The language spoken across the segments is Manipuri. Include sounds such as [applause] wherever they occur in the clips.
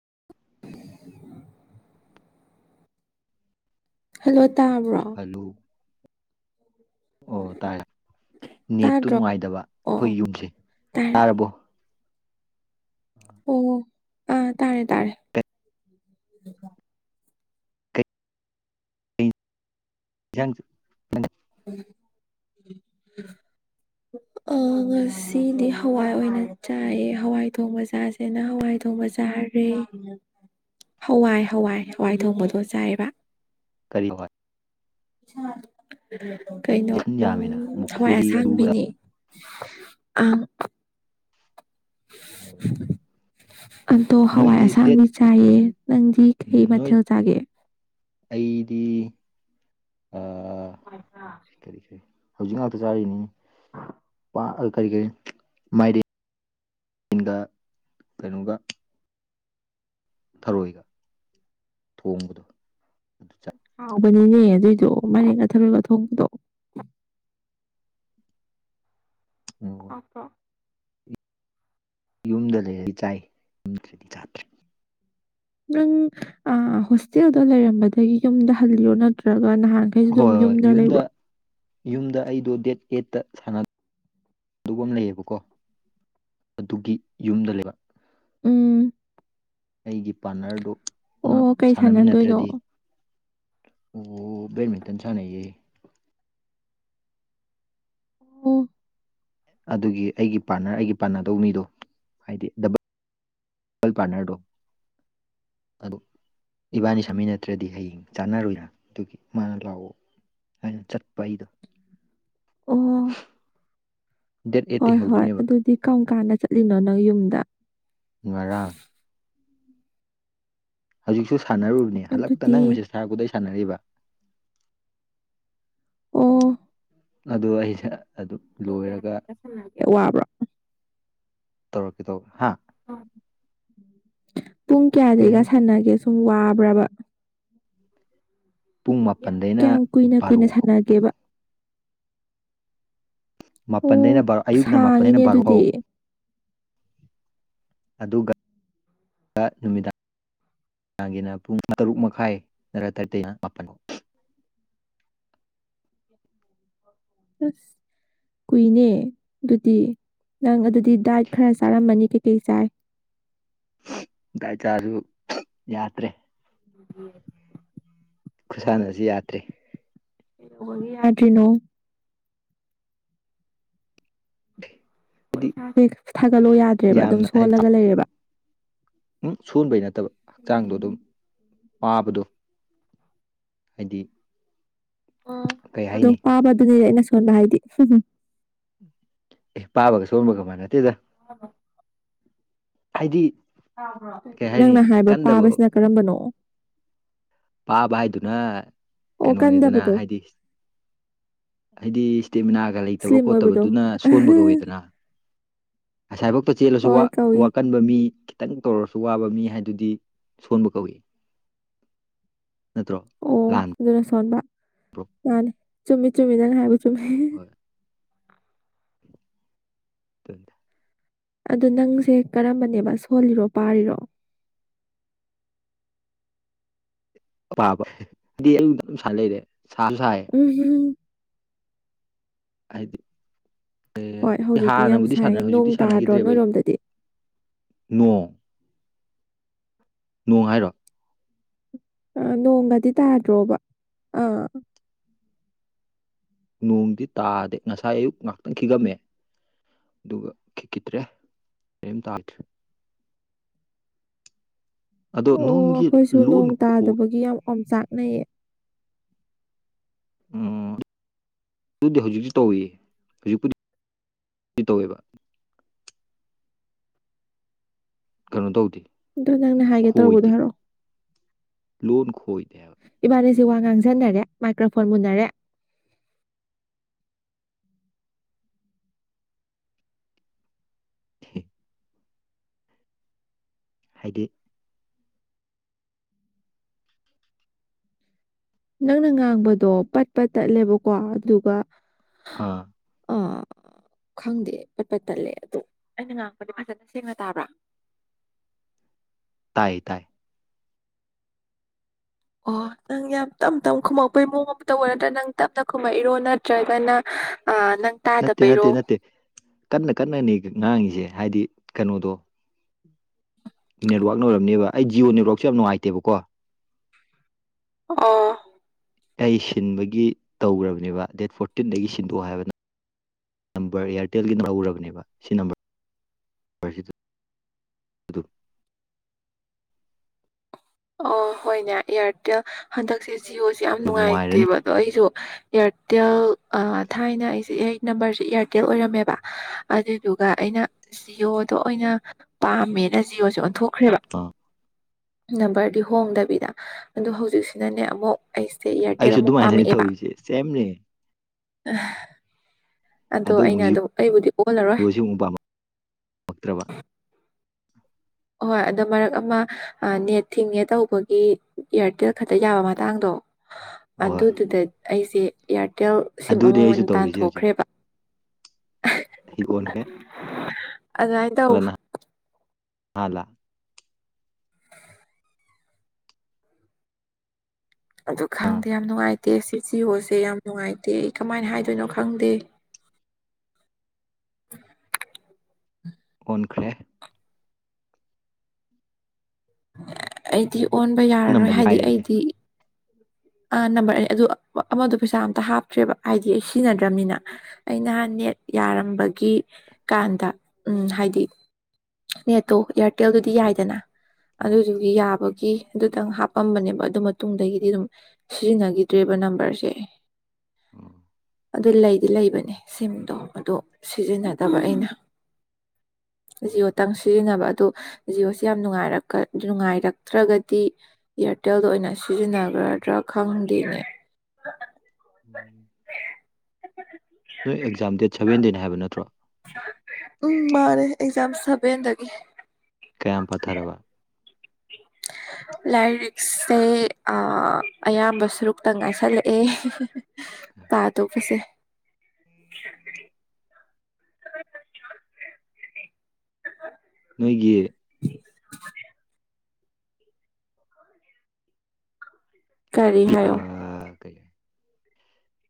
[inaudible] ꯍꯜꯂꯣ ꯇꯥꯕ꯭ꯔꯣ ꯍꯜꯂꯣ ꯑꯣ ꯇꯥꯔꯦ ꯅꯦꯠꯇꯨ ꯇꯥꯗ꯭ꯔꯣ ꯅꯨꯡꯉꯥꯏꯗꯕ ꯑꯣ ꯑꯩꯈꯣꯏ ꯑꯣ ꯌꯨꯝꯁꯦ ꯇꯥꯔꯦ ꯇꯥꯔꯕꯣ ꯑꯣ ꯑꯥ ꯇꯥꯔꯦ ꯇꯥꯔꯦ ꯪ ꯎ [unintelligible] ꯉꯁꯤꯗꯤ ꯍꯋꯥꯏ ꯑꯣꯏꯅ ꯆꯥꯏꯑ ꯍꯋꯥꯏ ꯊꯣꯡ ꯕꯖꯥꯔꯁꯤꯅ ꯍꯋꯥꯏ ꯊꯣꯡ ꯕꯖꯥꯔ ꯍꯋꯥꯏ ꯍꯋꯥꯏ ꯍꯋꯥꯏ ꯊꯣꯡꯕꯗꯣ ꯆꯥꯏꯑꯕ ꯀꯔꯤ ꯋꯥ ꯀꯩꯅꯣ ꯍꯋꯥꯏꯟ ꯌꯥꯝꯃꯤꯅ ꯎꯝ ꯍꯋꯥꯏ ꯃꯨꯛꯁꯨꯔꯤ ꯑꯗꯨꯒ ꯑꯁꯥꯡꯕꯤꯅꯦ ꯑ [unintelligible] ꯑꯗꯣ ꯍꯋꯥꯏ ꯅꯣꯏꯗꯤ ꯗꯦꯠ ꯑꯁꯥꯡꯕꯤ ꯆꯥꯏꯑ ꯅꯪꯗꯤ ꯀꯩ ꯅꯣꯏ ꯃꯊꯦꯜ ꯆꯥꯒꯦ ꯑꯩꯗꯤ ꯀꯔꯤ ꯀꯔꯤ ꯍꯧꯖꯤꯛ ꯉꯥꯛꯇ ꯆꯥꯔꯤꯅꯤ ꯑ ꯀꯔꯤ ꯀꯔꯤ ꯃꯥꯏꯔꯦꯟꯗ ꯀꯩꯅꯣꯒ ꯊꯔꯣꯏꯒ ꯊꯣꯡꯕꯗꯣ ꯑꯗꯨ ꯆꯠ ꯍꯕꯅꯤꯅꯦ ꯑꯗꯨꯏꯗꯣ ꯃꯅꯤꯡꯒꯊꯔꯒ ꯊꯣꯡꯕꯗꯣ ꯑꯣꯀꯣ ꯌꯨꯝꯗ ꯂꯩꯔꯗꯤ ꯆꯥꯏ ꯌꯨꯝꯗ꯭ꯔꯗꯤ ꯆꯥꯗ꯭ꯔꯦ ꯅꯪ ꯍꯣꯁꯇꯦꯜꯗꯣ ꯂꯩꯔꯝꯕꯗꯒꯤ ꯌꯨꯝꯗ ꯍꯂꯔꯣ ꯅꯠꯇ꯭ꯔꯒ ꯑꯗꯨꯒ ꯅꯍꯥꯟꯈꯩꯁꯨ ꯑꯗꯨꯝ ꯍꯣꯏ ꯍꯣꯏ ꯌꯨꯝꯗ ꯂꯩꯕ꯭ꯔ ꯌꯨꯝꯗ ꯑꯩꯗꯨ ꯗꯦꯠ ꯑꯦꯠꯇ ꯁꯥꯟꯅ ꯑꯗꯨꯒ ꯑꯃ ꯂꯩꯌꯦꯕꯀꯣ ꯑꯗꯨꯒꯤ ꯌꯨꯝꯗ ꯂꯩꯕ ꯎꯝ ꯑꯩꯒꯤ ꯄꯥꯔꯠꯅꯔꯗꯨꯅ ꯑꯣ ꯀꯩ ꯁꯥꯟꯅꯗꯣꯏꯅꯣ ꯁꯥꯟꯅꯃꯤꯟꯅꯗ꯭ꯔꯗꯤ ꯑꯣ ꯕꯠꯃꯤꯟꯇꯟ ꯁꯅꯌꯦ ꯑꯣ ꯑꯗꯨꯒꯤ ꯑꯩꯒꯤ ꯄꯥꯔꯠꯅꯔ ꯑꯩꯒꯤ ꯄꯥꯔꯠꯅꯗꯧꯕ ꯃꯤꯗꯣ ꯍꯥꯏꯗꯤ ꯗꯕꯜ ꯇꯦꯜ ꯄꯟꯅꯔꯣ ꯑ ꯑꯥ ꯏꯕꯥꯅꯤ ꯁꯝꯃꯤ ꯅꯠꯇ꯭ꯔꯗꯤ ꯍꯌꯦꯡ ꯆꯥꯟꯅꯔꯣꯏꯔ ꯑꯗꯨꯒꯤ ꯃꯥꯅ ꯂꯥꯛꯑꯣ ꯑꯩꯅ ꯆꯠꯄ ꯑꯩꯗꯣ ꯑꯥ ꯑꯣ ꯗꯦꯠ ꯍꯣꯏ ꯑꯩꯠꯇꯩ ꯍꯣꯏ ꯍꯧꯗꯣꯏꯅꯦꯕ ꯑꯗꯨꯗꯤ ꯀꯔꯝ ꯀꯥꯟꯅ ꯆꯠꯂꯤꯅꯣ ꯅꯪ ꯌꯨꯝꯗ ꯉꯔꯥꯡ ꯍꯧꯖꯤꯛꯁꯨ ꯁꯥꯟꯅꯔꯨꯕꯅꯤ ꯍꯟꯂꯛꯇ ꯑꯗꯨꯗꯤ ꯅꯪꯕꯁꯤꯁꯦ ꯁ ꯁꯥꯔꯛꯄꯗꯩ ꯁꯥꯟꯅꯔꯤꯕ ꯑꯣꯥ ꯑ ꯑꯩꯁꯦ ꯑꯗꯨꯝ ꯂꯣꯏꯔꯒ ꯀꯌꯥꯗ ꯁꯥꯟꯅꯒꯦ ꯋꯥꯕ꯭ꯔꯣ ꯇꯧꯔꯛꯀꯤꯗꯣ ꯄꯨꯡ ꯀꯩ ꯀꯌꯥꯗꯒꯤꯒ ꯍꯥꯏꯅꯣ ꯁꯥꯟꯅꯒꯦ ꯁꯨꯝ ꯋꯥꯕ꯭ꯔꯕ ꯄꯨꯡ ꯌꯥꯝ ꯃꯥꯄꯟꯗꯩꯅ ꯀꯌꯥꯝ ꯀꯨꯏꯅ ꯕꯥꯔꯣ ꯀꯨꯏꯅ ꯐꯥꯎ ꯁꯥꯟꯅꯒꯦꯕ ꯃꯥꯄꯜꯗꯩꯅ ꯑꯣ ꯕꯥꯔꯣ ꯑꯌꯨꯛꯅ ꯃꯥꯄꯜꯗꯩꯅ ꯁꯥꯡꯉꯤꯅꯦ ꯕꯥꯔꯣꯍ ꯑꯗꯨꯗꯤ ꯑꯗꯨꯒ ꯅꯨꯃꯤꯗꯥꯡ ꯅꯥꯡꯒꯤꯅ ꯄꯨꯡ ꯇꯔꯨꯛ ꯃꯈꯥꯏ ꯅꯔꯥꯊꯔꯠꯇꯅ ꯃꯥꯄꯜ ꯑꯁ ꯀꯨꯏꯅꯦ ꯑꯗꯨꯗꯤ ꯅꯪ ꯑꯗꯨꯗꯤ ꯗꯥꯏꯠ ꯈꯔ ꯆꯥꯔꯝꯃꯅꯤ ꯀꯩꯀꯩ ꯆꯥꯏ ꯆꯥꯁꯨ ꯌꯥꯗ꯭ꯔꯦ ꯌꯦ ꯈꯨꯁꯥꯟꯁꯤ ꯌꯥꯗ꯭ꯔꯦ ꯕ ꯌꯥꯗ꯭ꯔꯤꯅꯣ [unintelligible] ꯌꯥꯦ ꯊꯥꯒꯠꯂꯣ ꯌꯥꯗ꯭ꯔꯦꯕ ꯑꯗꯨꯝ ꯁꯣꯜꯂꯒ ꯂꯩꯔꯦꯕ ꯎꯝ ꯁꯣꯟꯕꯩ ꯅꯠꯇꯕ ꯍꯛꯆꯥꯡꯗꯣ ꯑꯗꯨꯝ ꯄꯥꯕꯗꯣ ꯍꯥꯏꯗꯤ ꯀꯩ ꯍꯥꯏꯅꯤ ꯄꯥꯕ ꯑꯗꯨꯗꯤ ꯑꯩꯅ ꯁꯣꯟꯕ ꯍꯥꯏꯗꯤ ꯎ ꯑꯦ ꯄꯥꯕꯒ ꯁꯣꯟꯕꯒ ꯃꯥꯟꯅꯠꯇꯦꯗ ꯑ ꯍꯥꯏꯗꯤ ꯀꯩ ꯍꯥꯏꯅꯤ ꯅꯪꯅ ꯍꯥꯏꯕ ꯀꯟꯗꯕ ꯄꯥꯕꯁꯤꯅ ꯀꯔꯝꯕꯅꯣ ꯄꯥꯕ ꯍꯥꯏꯗꯨꯅ ꯑꯣ ꯀꯩꯅꯣꯅꯤꯗꯅ ꯀꯟꯗꯕꯗꯣ ꯍꯥꯏꯗꯤ ꯍꯥꯏꯗꯤ ꯏꯁꯇꯦꯃꯤꯅꯥꯒ ꯂꯩꯇꯕ ꯁ꯭ꯂꯤꯝ ꯑꯣꯏꯕꯗꯣ ꯈꯣꯠꯇꯕꯗꯨꯅ ꯁꯣꯟꯕ ꯀꯧꯋꯦꯗꯅ ꯉꯁꯥꯏꯐꯥꯎꯛꯇ ꯆꯦꯜꯂꯁꯨ ꯍꯋꯥꯏ ꯀꯧꯏ ꯋꯥꯀꯟꯕ ꯃꯤ ꯈꯤꯇꯪ ꯇꯧꯔꯁꯨ ꯋꯥꯕ ꯃꯤ ꯍꯥꯏꯗꯨꯗꯤ ꯁꯣꯟꯕ ꯀꯧꯏ ꯅꯠꯇ꯭ꯔꯣ ꯑꯣ ꯂꯥꯟꯕ꯭ꯔꯣ ꯑꯗꯨꯅ ꯁꯣꯟꯕ ꯃꯥꯅꯤ ꯆꯨꯝꯃꯤ ꯆꯨꯝꯃꯤꯗꯅ ꯍꯥꯏꯕ ꯆꯨꯝꯃꯤ ꯍꯣꯏ ꯇꯗ ꯑꯗꯨ ꯅꯪꯁꯦ ꯀꯔꯝꯕꯅꯦꯕ ꯁꯣꯜꯂꯤꯔꯣ ꯄꯥꯔꯤꯔꯣ ꯄꯥꯕ ꯗꯤ [inaudible] ꯂꯩꯔꯦ ꯁꯥꯁꯨ ꯁꯥꯏ ꯎꯝ ꯎꯝ ꯍꯥꯏꯗꯤ ꯑꯦ ꯍꯣꯏ ꯑꯩ ꯍꯧꯖꯤꯛꯇꯤ ꯌꯥꯝ ꯍꯥꯟꯅꯕꯨꯗꯤ ꯁꯥꯏ ꯁꯥꯟꯅꯔꯦ ꯅꯣꯡ ꯍꯧꯖꯤꯛꯇꯤ ꯇꯥꯗ꯭ꯔꯣ ꯁꯥꯟꯅꯈꯤꯗ꯭ꯔꯦꯕ ꯑꯩ ꯅꯣꯏꯔꯣꯝꯗꯗꯤ ꯅꯣꯡ ꯅꯣꯡ ꯍꯥꯏꯔꯣ ꯑꯥ ꯅꯣꯡꯒꯗꯤ ꯇꯥꯗ꯭ꯔꯣꯕ ꯑꯥ ꯅꯣꯡꯗꯤ ꯇꯥꯗꯦ ꯉꯁꯥꯏ ꯑꯌꯨꯛ ꯉꯥꯛꯇꯪ ꯈꯤꯒꯝꯃꯦ ꯑꯗꯨꯒ ꯈꯤꯠꯀꯤꯗ꯭ꯔꯦ ꯀꯔꯤꯝ ꯇꯥꯗ꯭ꯔꯦ ꯑꯣ ꯑꯩꯈꯣꯏꯁꯨ ꯂꯣꯟ ꯅꯣꯡ ꯈꯣ ꯇꯥꯗꯕꯒꯤ ꯌꯥꯝ ꯑꯝ ꯆꯥꯛꯅꯩꯌꯦ ꯎꯝ ꯑꯗꯨꯗꯤ ꯍꯧꯖꯤꯛꯇꯤ ꯇꯧꯏ ꯍꯧꯖꯤꯛꯄꯨꯗꯤ ꯇꯧꯋꯦꯕ ꯀꯩꯅꯣ ꯇꯧꯗꯦ ꯑꯗꯣ ꯅꯪꯅ ꯍꯥꯏꯒꯦ ꯇꯧꯕꯗꯣ ꯈꯣꯏꯗꯦ ꯍꯥꯏꯔꯛꯑꯣ ꯂꯣꯟ ꯈꯣꯏꯗꯦ ꯍꯥꯢꯕ ꯁꯤ ꯋꯥ ꯉꯥꯡꯁꯤꯟꯅꯔꯦ ꯃꯥꯏꯀ꯭ꯔꯣꯐꯣꯟ ꯃꯨꯅꯔꯦ ꯊꯦ ꯍꯥꯏꯗꯤ ꯅꯪꯅ ꯉꯥꯡꯕꯗꯣ ꯄꯠꯄ ꯇꯠꯂꯦꯕꯀꯣ ꯑꯗꯨꯒ ꯑꯥ ꯑꯥ ꯈꯪꯗꯦ ꯄꯠꯄ ꯇꯠꯂꯦ ꯑꯗꯣ ꯑꯩꯅ ꯉꯥꯡꯕꯅꯦ ꯐꯖꯅ ꯁꯦꯡꯅ ꯇꯥꯕ꯭ꯔꯥ ꯇꯥꯏ ꯇꯥꯏ ꯑꯣ ꯅꯪ ꯌꯥꯝ ꯇꯞ ꯇꯞ ꯈꯨꯝꯃꯛꯄꯩ ꯃꯑꯣꯡ ꯑꯃꯇꯧꯕ ꯅꯠꯇ꯭ꯔꯥ ꯅꯪ ꯇꯞꯅ ꯈꯨꯝꯃꯛꯏꯔꯣ ꯅꯠꯇ꯭ꯔꯒꯅ ꯑꯥ ꯅꯪ ꯅꯠꯇꯦ ꯅꯠꯇꯦ ꯇꯥꯗꯕꯩꯔꯣ ꯅꯠꯇꯦ ꯀꯟꯅ ꯀꯟꯅꯅꯤ ꯉꯥꯡꯉꯤꯁꯦ ꯍꯥꯏꯗꯤ ꯀꯩꯅꯣꯗꯣ ꯅꯦꯠꯋꯥꯛꯅ ꯑꯣꯏꯔꯝꯅꯦꯕ ꯑꯩ ꯖꯤꯌꯑꯣ ꯅꯦꯠꯋꯥꯛꯁꯨ ꯌꯥꯝ ꯅꯨꯡꯉꯥꯏꯇꯦꯕꯀꯣ ꯑꯣ ꯑꯩ ꯁꯤꯟꯕꯒꯤ ꯇꯧꯈ꯭ꯔꯕꯅꯦꯕ ꯗꯦꯠ ꯐꯣꯔꯇꯤꯟꯗꯒꯤ ꯁꯤꯟꯗꯣꯛꯑꯣ ꯍꯥꯏꯕꯅ ꯅꯝꯕꯔ ꯏꯌꯥꯔꯇꯦꯜꯒꯤꯅ ꯎꯔꯕꯅꯦꯕ ꯁꯤ ꯅꯝꯕꯔ ꯑꯗꯨꯗꯣ ꯑꯣ ꯍꯣꯏꯅꯦ ꯏꯌꯥꯔꯇꯦꯜ ꯍꯟꯗꯛꯁꯦ ꯖꯤꯑꯣꯁꯦ ꯌꯥꯝ ꯅꯨꯡꯉꯥꯏꯔꯅꯤ ꯅꯨꯡꯉꯥꯏꯇꯦꯕ ꯑꯗꯣ ꯑꯩꯁꯨ ꯏꯌꯥꯔꯇꯦꯜ ꯊꯥꯏꯅ ꯑꯩꯁꯦ ꯑꯩ ꯅꯝꯕꯔꯁꯦ ꯏꯌꯥꯔꯇꯦꯜ ꯑꯣꯏꯔꯝꯃꯦꯕ ꯑꯗꯨꯏꯗꯨ ꯑꯗꯨꯒ ꯑꯩꯅ ꯖꯤꯌꯣꯗꯣ ꯑꯣꯏꯅ ꯄꯥꯝꯃꯦꯅ ꯖꯤꯌꯣꯁꯦ ꯑꯣꯟꯊꯣꯛ ꯈ꯭ꯔꯦꯕ ꯑꯥ ꯅꯝꯕꯔꯗꯤ ꯍꯣꯡꯗꯕꯤꯗ ꯑꯗ ꯍꯧꯖꯤꯛꯁꯤꯅꯅꯦ ꯑꯃꯨꯛ ꯑꯩꯁꯦ ꯏꯌꯥꯔꯇꯦꯜ ꯑꯩꯁꯨ ꯑꯃꯨꯛ ꯑꯗꯨꯃꯥꯏꯅꯅꯤ ꯄꯥꯝꯃꯛꯑꯦꯕ ꯇꯧꯔꯤꯁꯦ ꯁꯦꯝꯅꯦ ꯑꯗꯣ ꯑꯗꯨ ꯑꯃꯨꯛ ꯑꯩꯅ ꯑꯗꯨꯝ ꯑꯩꯕꯨꯗꯤ ꯑꯣꯜꯂꯔꯣꯏ ꯖꯤꯑꯣꯁꯤ ꯑꯃꯨꯛ ꯄꯥꯝꯃꯛꯇ꯭ꯔꯕ ꯍꯣꯏ ꯑꯗꯣ ꯃꯔꯛ ꯑꯃ ꯅꯦꯠ ꯊꯤꯡꯉꯦ ꯇꯧꯕꯒꯤ ꯏꯌꯥꯔꯇꯦꯜ ꯈꯛꯇ ꯌꯥꯕ ꯃꯇꯥꯡꯗꯣ ꯍꯣꯏ ꯑꯗꯨꯗꯨꯗ ꯑꯩꯁꯦ ꯏꯌꯥꯔꯇꯦꯜ ꯁꯤꯝ ꯑꯗꯨꯅꯦ ꯑꯃ ꯑꯩꯁꯨ ꯑꯣꯏꯅ ꯇꯧꯔꯤꯁꯦ ꯍꯧꯖꯤꯛ ꯇꯥꯟꯊꯣꯛꯈ꯭ꯔꯦꯕ ꯑꯩ ꯑꯣꯟꯈ꯭ꯔꯦ ꯑꯗꯨꯃꯥꯏꯅ ꯇꯧ ꯃꯥꯂ ꯑꯗꯨ ꯑꯥ ꯈꯪꯗꯦ ꯌꯥꯝ ꯅꯨꯡꯉꯥꯏꯇꯦ ꯁꯤꯖꯤꯌꯣꯁꯦ ꯌꯥꯝ ꯅꯨꯡꯉꯥꯏꯇꯦ ꯑꯩ ꯀꯃꯥꯏꯅ ꯑꯣ ꯍꯥꯏꯗꯣꯏꯅꯣ ꯈꯪꯗꯦ ꯎ ꯑꯣꯟꯈ꯭ꯔꯦ ꯑꯩꯗꯤ ꯑꯣꯟꯕ ꯅꯪ ꯌꯥꯔꯔꯣꯏ ꯅꯝꯕꯔꯅꯤ ꯄꯥꯏꯔꯦ ꯍꯥꯏꯗꯤ ꯑꯗꯨꯗꯤ ꯑꯩꯗꯤ ꯑꯥ ꯅꯝꯕꯔ ꯑꯅꯤ ꯑꯗꯨ ꯑꯃꯗꯣ ꯄꯩꯁꯥ ꯑꯝꯇ ꯍꯥꯞꯇ꯭ꯔꯦꯕ ꯍꯥꯏꯗꯤ ꯑꯩ ꯁꯤꯖꯤꯟꯅꯗ꯭ꯔꯕꯅꯤꯅ ꯑꯩ ꯅꯍꯥꯟ ꯅꯦꯠ ꯌꯥꯔꯝꯕꯒꯤ ꯀꯥꯟꯗ ꯎꯝ ꯍꯥꯏꯗꯤ ꯅꯦꯠꯇꯣ ꯏꯌꯥꯔ ꯍꯣꯇꯦꯜꯗꯨꯗꯤ ꯑꯣ ꯌꯥꯏꯗꯅ ꯑꯗꯨꯗꯨꯒꯤ ꯌꯥꯕ ꯒꯤ ꯑꯗꯨꯇꯪ ꯍꯥꯞꯄꯝꯕꯅꯦꯕ ꯑꯗꯨ ꯃꯇꯨꯡꯗꯒꯤꯗꯤ ꯑꯗꯨꯝ ꯁꯤꯖꯤꯟꯅꯈꯤꯗ꯭ꯔꯦꯕ ꯅꯝꯕꯔꯁꯦ ꯑꯣ ꯑꯗꯨ ꯂꯩꯗꯤ ꯂꯩꯕꯅꯦ ꯁꯤꯝꯗꯣ ꯑꯗꯨ ꯁꯤꯖꯤꯟꯅꯗꯕ ꯑꯩꯅ [unintelligible] ꯖꯤꯑꯣꯇꯪ ꯁꯤꯖꯤꯟꯅꯕ ꯑꯗꯣ ꯖꯤꯑꯣꯁꯦ ꯌꯥꯝ ꯅꯨꯡꯉꯔ ꯅꯨꯡꯉꯥꯏꯔꯛꯇ꯭ꯔꯒꯗꯤ ꯑꯦꯌꯥꯔꯇꯦꯜꯗ ꯑꯣꯏꯅ ꯁꯤꯖꯤꯟꯅꯒꯗ꯭ꯔꯥ ꯈꯪꯗꯦꯅꯦ ꯅꯣꯏ ꯑꯦꯛꯖꯥꯝ ꯗꯦꯠ ꯁꯚꯦꯟꯇꯤꯟ ꯍꯥꯏꯕ ꯅꯠꯇ꯭ꯔꯣ ꯎꯝ ꯃꯥꯅꯦ ꯑꯦꯛꯖꯥꯝ ꯁꯚꯦꯟꯗꯒꯤ ꯀꯌꯥꯝ ꯄꯊꯔꯕ [unintelligible] ꯂꯥꯏꯔꯤꯛꯁꯦ ꯑꯌꯥꯝꯕ ꯁꯔꯨꯛꯇ ꯉꯥꯏꯁꯜꯂꯛꯑꯦ ꯇꯥꯗꯣꯛꯄꯁꯦ ꯎꯝ ꯎꯝ ꯅꯣꯏꯒꯤ [unintelligible] ꯀꯔꯤ ꯍꯥꯏꯣ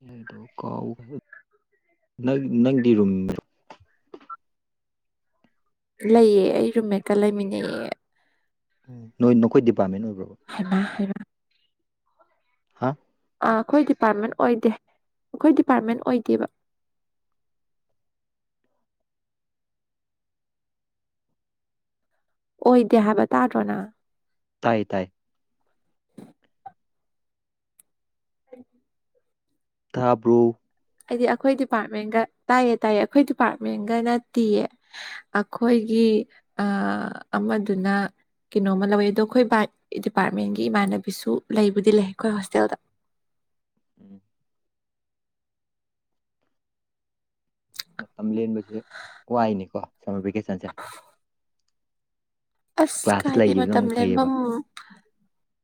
ꯅꯗ ꯀꯥꯎꯥꯎ ꯅꯪꯗꯤ ꯔꯨꯝ ꯂꯩꯑ ꯑꯩ ꯔꯨꯝꯃꯦꯀ ꯂꯩꯃꯤꯟꯅꯩꯌꯦ ꯅꯣꯏ ꯅꯈꯣꯏ ꯗꯤꯄꯥꯔꯠꯃꯦꯟ ꯑꯣꯏꯕ꯭ꯔꯕ ꯍꯩꯃꯥ ꯍꯩꯃꯥ ꯍꯥ ꯑꯥ ꯑꯩꯈꯣꯏ ꯗꯤꯄꯥꯔꯠꯃꯦꯟ ꯑꯣꯏꯗꯦ ꯑꯩꯈꯣꯏ ꯗꯤꯄꯥꯔꯠꯃꯦꯟ ꯑꯣꯏꯗꯦꯕ [unintelligible] ꯑꯣꯏꯗꯦ ꯍꯥꯏꯕ ꯇꯥꯗ꯭ꯔꯣꯅ ꯇꯥꯏ ꯇꯥꯏ [unintelligible] ꯊꯥꯕ꯭ꯔꯣ ꯍꯥꯏꯗꯤ ꯑꯩꯈꯣꯏ ꯗꯤꯄꯥꯔꯠꯃꯦꯟꯒ ꯇꯥꯏꯌꯦ ꯇꯥꯏꯌꯦ ꯑꯩꯈꯣꯏ ꯗꯤꯄꯥꯔꯠꯃꯦꯟꯒꯅꯠꯇꯤꯌꯦ ꯑꯩꯈꯣꯏꯒꯤ ꯑ ꯑꯃꯗꯨꯅ ꯀꯩꯅꯣꯃ ꯂꯧꯋꯦ ꯑꯗꯣ ꯑꯩꯈꯣꯏ ꯕꯥ ꯗꯤꯄꯥꯔꯠꯃꯦꯟꯒꯤ ꯏꯃꯥꯟꯅꯕꯤꯁꯨ ꯂꯩꯕꯨꯗꯤ ꯂꯩ ꯑꯩꯈꯣꯏ ꯍꯣꯁꯇꯦꯜꯗ [unintelligible] ꯃꯇꯝ ꯂꯦꯟꯕꯁꯦ ꯋꯥꯏꯅꯤꯀꯣ ꯁꯝꯃꯔ ꯚꯦꯀꯦꯁꯟꯁꯦ ꯑꯁ ꯀ꯭ꯂꯥꯁ ꯀꯥꯏꯗ ꯂꯩꯈꯤꯕꯅ ꯃꯇꯝ ꯑꯃꯨꯛ ꯐꯩꯌꯦꯕ ꯂꯦꯟꯐꯝ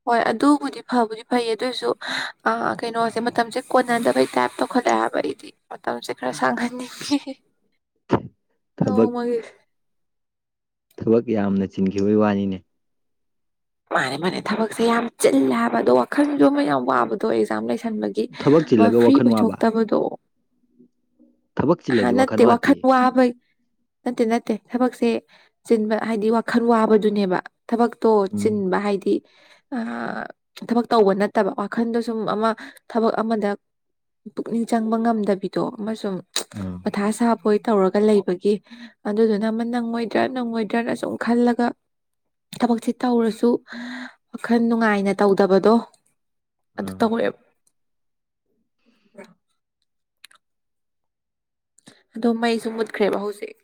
ꯍꯣꯏ ꯑꯗꯨꯕꯨꯗꯤ ꯐꯕꯨꯗꯤ ꯐꯩꯌꯦ ꯑꯗꯨꯑꯣꯏꯁꯨ ꯑ ꯀꯩꯅꯣꯁꯦ ꯃꯇꯝꯁꯦ ꯀꯣꯟꯅꯗꯕꯩ ꯇꯥꯏꯞ ꯇꯧꯈꯠꯂꯛꯑꯦ ꯍꯥꯏꯕ ꯑꯩꯗꯤ ꯃꯇꯝꯁꯦ ꯈꯔ ꯏꯁ ꯁꯥꯡꯍꯟꯅꯤꯡꯉꯤ ꯊꯕꯛ ꯅꯣꯡꯃꯒꯤ ꯊꯕꯛ ꯌꯥꯝꯅ ꯆꯤꯟꯈꯤꯕꯒꯤ ꯋꯥꯅꯤꯅꯦ ꯃꯥꯅꯦ ꯃꯥꯅꯦ ꯊꯕꯛꯁꯦ ꯌꯥꯝ ꯆꯤꯜꯂꯦ ꯍꯥꯏꯕ ꯑꯗꯣ ꯋꯥꯈꯜ ꯌꯣꯕ ꯌꯥꯝ ꯋꯥꯕꯗꯣ ꯑꯦꯛꯖꯥꯝ ꯂꯩꯁ ꯈꯟꯕꯒꯤ ꯊꯕꯛ ꯃꯥ ꯆꯤꯜꯂꯒ ꯐ꯭ꯔꯤ ꯋꯥꯈꯜ ꯋꯥꯕ ꯑꯣꯏꯊꯣꯛꯇꯕꯗꯣ ꯊꯕꯛ ꯍꯥꯟ ꯆꯤꯜꯂꯗꯤ ꯅꯠꯇ ꯋꯥꯈꯜ ꯋꯥꯈꯥ ꯋꯥꯗꯦ ꯋꯥꯕꯩ ꯅꯠꯇꯦ ꯅꯠꯇꯦ ꯊꯕꯛꯁꯦ ꯆꯤꯟꯕ ꯍꯥꯏꯗꯤ ꯋꯥꯈꯜ ꯋꯥꯕꯗꯨꯅꯦꯕ ꯊꯕꯛꯇꯣ ꯎꯝ ꯆꯤꯟꯕ ꯍꯥꯏꯗꯤ ꯊꯕꯛ ꯇꯧꯕ ꯅꯠꯇꯕ ꯋꯥꯈꯟꯗꯣ ꯁꯨꯝ ꯑꯃ ꯊꯕꯛ ꯑꯃꯗ ꯄꯨꯛꯅꯤꯡ ꯆꯪꯕ ꯉꯝꯗꯕꯤꯗꯣ ꯑꯃꯁꯨꯡ ꯑꯥ ꯃꯊꯥ ꯁꯥꯕ ꯇꯧꯔꯒ ꯂꯩꯕꯒꯤ ꯑꯗꯨꯗꯨꯅ ꯑꯃ ꯅꯪꯉꯣꯏꯗ꯭ꯔꯥ ꯅꯪꯉꯣꯏꯗ꯭ꯔꯅ ꯁꯨꯝ ꯈꯜꯂꯒ ꯇꯃ ꯆ ꯇꯧꯔꯁꯨ ꯋꯥꯈꯜ ꯅꯨꯡꯉꯥꯏꯅ ꯇꯧꯗꯕꯗꯣ ꯑꯗꯨ ꯑꯥ ꯇꯧꯔꯦꯕ [unintelligible] ꯑꯗꯣ ꯃꯩꯁꯨ ꯃꯨꯠꯈ꯭ꯔꯦꯕ ꯍꯧꯖꯤꯛ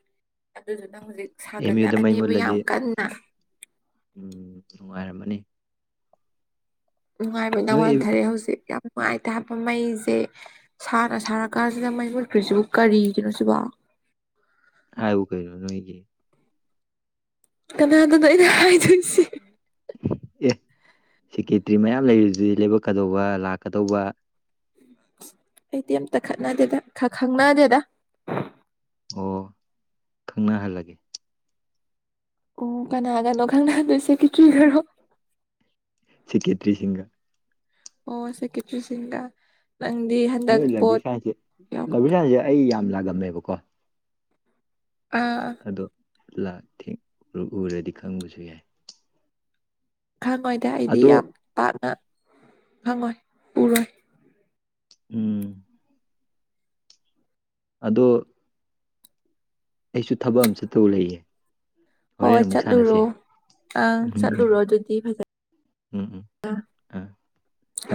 ꯑꯗꯨ ꯑꯗ ꯍꯧꯖꯤꯛ ꯑꯦꯝ ꯌꯨꯗ ꯃꯩ ꯁꯥꯒꯠꯂꯛꯑꯅꯦꯕꯨ ꯌꯥꯝ ꯃꯨꯠꯂꯗꯤ ꯀꯟꯅ ꯎꯝ ꯅꯨꯡꯉꯥꯏꯔꯝꯃꯅꯤ ꯅꯨꯡꯉꯥꯏꯕꯅ ꯅꯣꯏ ꯋꯥꯟꯊꯔꯦ ꯍꯧꯖꯤꯛ ꯌꯥꯝ ꯅꯨꯡꯉꯥꯏꯇ ꯍꯥꯏꯕ ꯃꯩꯁꯦ ꯁꯥꯅ ꯁꯥꯔꯀꯥꯟꯗ ꯁꯤꯗ ꯃꯩꯌꯨꯠꯇ꯭ꯔꯤꯁꯤꯕꯨ ꯀꯔꯤꯒꯤꯅꯣ ꯁꯤꯕꯣ ꯑꯥꯨ ꯀꯅ ꯅꯣꯏ ꯀ ꯀꯅꯥꯗꯨꯗꯣ ꯑꯩꯅ ꯍꯥꯏꯗꯣꯏꯁꯤ ꯁꯦꯀꯦꯇ꯭ꯔꯤ ꯃꯌꯥꯝ ꯂꯩꯔꯤꯗꯨꯗꯤ ꯂꯕꯛꯀꯗꯧꯕ ꯂꯥꯛꯀꯗꯧꯕ ꯑꯩꯗꯤꯤ ꯑꯦꯝꯇ ꯈꯠꯅꯗꯦꯗ ꯈꯪꯅꯗꯦꯗ ꯑꯣ ꯈꯪꯅꯍꯜꯂꯒꯦ ꯑꯣ ꯀꯅꯥ ꯑꯒꯥꯡ ꯂꯧ ꯈꯜ ꯂꯜ ꯂꯁ ꯀ ꯀ ꯀꯔꯣ ꯁꯤꯀꯦꯇ꯭ꯔꯤꯁꯤꯡꯒ ꯑꯣꯁꯦꯀꯤꯆꯁꯤꯡ ꯅꯣꯏ ꯂꯕꯤꯛ ꯁꯥꯡꯁꯦ ꯂꯕꯤ ꯁꯥꯡꯁꯦ ꯑꯩ ꯌꯥꯝ ꯂꯥꯛꯑꯝꯃꯦꯕꯀꯣ ꯑꯥ ꯂ ꯊꯦꯡ ꯎꯔꯗꯤ ꯈꯪꯕꯁꯨ ꯌꯥꯏ ꯈꯪꯉꯣꯏꯗ ꯑꯩꯗꯤ ꯑꯗꯣ ꯌꯥꯝ ꯄꯥꯛꯅ ꯈꯪꯉꯣꯏ ꯎꯔꯣꯏ ꯎꯝ ꯑꯗꯣ ꯑꯩꯁꯨ ꯊꯕꯛ ꯑꯃ ꯆꯠꯇꯧ ꯂꯩꯌꯦ ꯍꯣꯔꯦꯟ ꯍꯣꯏ ꯑꯃꯨꯛ ꯆꯠꯂꯨꯔꯣ ꯁꯥꯟꯅꯁꯦ ꯑꯪ ꯎꯝ ꯎꯝ ꯆꯠꯂꯨꯔꯣ ꯑꯗꯨꯗꯤ ꯎꯝ ꯎꯝ ꯐꯖꯩꯦ ꯑꯥ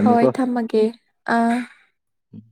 ꯍꯣꯏ ꯊꯝꯃꯒꯦ ꯑ ꯎꯝ